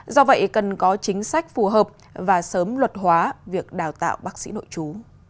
do vậy cần có chính sách phù hợp và sớm luật hóa việc đào tạo bác sĩ nội chú